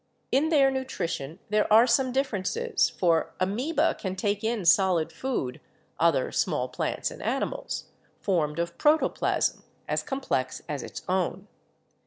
In their nutrition there are some differences, for Amoeba can take in solid food (other small animals and plants), formed of protoplasm as 102 BIOLOGY complex as its own.